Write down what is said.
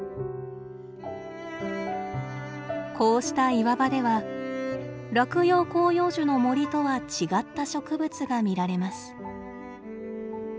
こうした岩場では落葉広葉樹の森とは違った植物が見られます。